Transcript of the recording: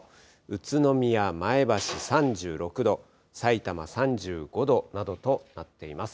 宇都宮、前橋３６度、さいたま３５度などとなっています。